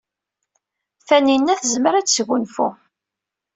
Tanina tezmer ad tesgunfu.